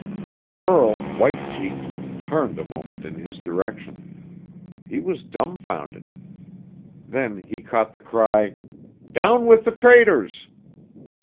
The girl, white cheeked, turned a moment in his direction. He was dumbfounded. Then he caught the cry, "Down with the traitors!"